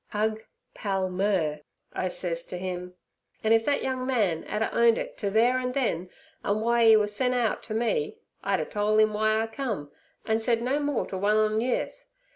"Hug Pal mer," sez I to 'im. An' if that young man 'ad a—owned to it theere an' then, an' w'y 'e were sent out, to me, I'd a tole 'im w'y I come, an' said no more to one on yearth.